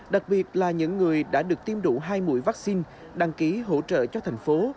đặc biệt là những người đã được tiêm đủ hai mũi vaccine đăng ký hỗ trợ cho thành phố